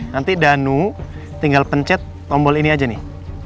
nanti danu tinggal pencet tombol ini aja nih